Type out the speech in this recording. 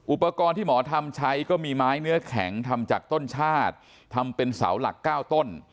อุปกรณ์ที่หมอทำใช้ก็มีไม้เนื้อแข็งทำจากต้นชาติทำเป็นเสาหลัก๙ต้น